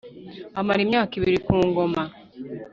Amara imyaka ibiri ku ngoma